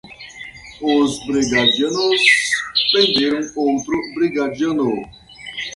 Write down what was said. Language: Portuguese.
Os brigadianos prenderam outro brigadiano